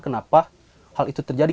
kenapa hal itu terjadi